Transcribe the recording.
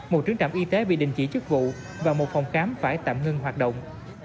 một trưởng trạm y tế bị đình chỉ chức vụ và một phòng khám phải tạm ngưng hoạt động